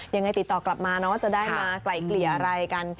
ยังไงติดต่อกลับมาเนอะจะได้มาไกล่เกลี่ยอะไรกัน